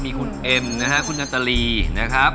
มีคุณเอมคุณนัตตรีนะครับ